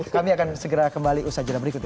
kami akan segera kembali usaha cerah berikutnya